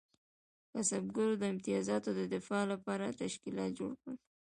کسبګرو د امتیازاتو د دفاع لپاره تشکیلات جوړ کړل.